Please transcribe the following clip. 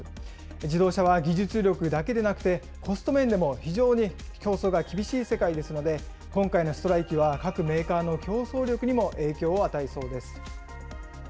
自動車は技術力だけでなく、コスト面でも非常に競争が厳しい世界ですので、今回のストライキは各メーカーの競争力にも影響を与えそうです。